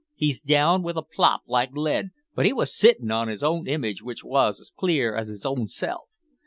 he's down with a plop like lead, but he wos sittin' on his own image which wos as clear as his own self.